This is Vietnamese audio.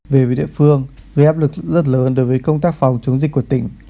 về với địa phương gây áp lực rất lớn đối với công tác phòng chống dịch của tỉnh